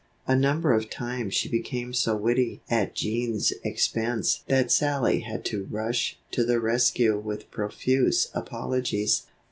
A number of times she became so witty at Jean's expense that "Sallie" had to rush to the rescue with profuse apologies.